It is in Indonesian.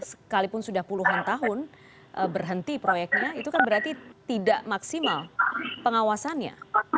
sekalipun sudah puluhan tahun berhenti proyeknya itu kan berarti tidak maksimal pengawasannya